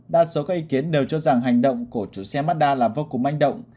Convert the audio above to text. đa số các ý kiến đều cho rằng hành động của chủ xe mazda là vô cùng manh động